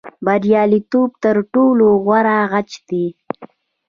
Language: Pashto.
بریالیتوب تر ټولو غوره غچ دی.